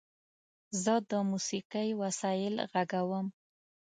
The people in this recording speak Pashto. زه د موسیقۍ وسایل غږوم.